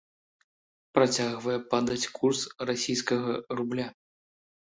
Працягвае падаць курс расійскага рубля.